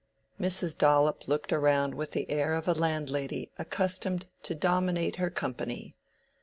Mrs. Dollop looked round with the air of a landlady accustomed to dominate her company.